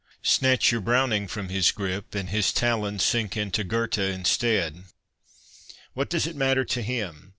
Snatch your Browning from his grip, and his talons sink into Goethe instead. What does it matter to him